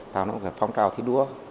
tạo ra một cái phong trào thi đua